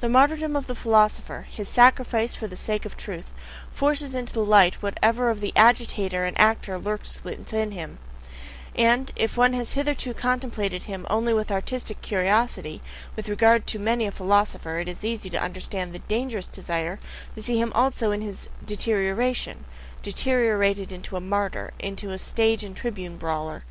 The martyrdom of the philosopher, his "sacrifice for the sake of truth," forces into the light whatever of the agitator and actor lurks in him; and if one has hitherto contemplated him only with artistic curiosity, with regard to many a philosopher it is easy to understand the dangerous desire to see him also in his deterioration (deteriorated into a "martyr," into a stage and tribune bawler).